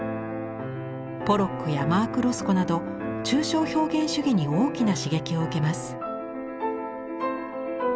ポロックやマーク・ロスコなど抽象表現主義に大きな刺激を受けます。